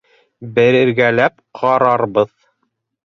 Бергәләп ҡарарбыҙ...